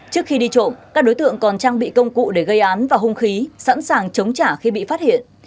trước khi đi trộm các đối tượng còn trang bị công cụ để gây án và hung khí sẵn sàng chống trả khi bị phát hiện